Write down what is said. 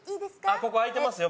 あっここ空いてますよ